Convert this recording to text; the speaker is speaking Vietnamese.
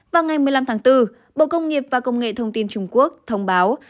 vào ngày một mươi năm tháng bốn bộ công nghiệp và công nghệ thông tin trung quốc thông báo